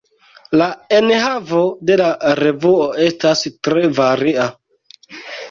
La enhavo de la revuo estas tre varia.